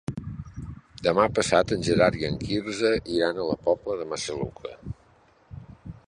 Demà passat en Gerard i en Quirze iran a la Pobla de Massaluca.